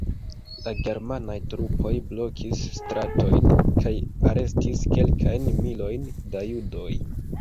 La germanaj trupoj blokis stratojn kaj arestis kelkajn milojn da judoj.